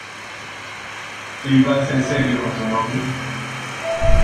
Conforme ella se despertaba, Reptile sintió que lentamente recuperaba su forma humanoide.